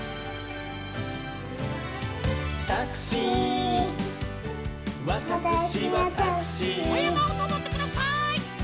「タクシーわたくしはタクシー」おやまをのぼってください！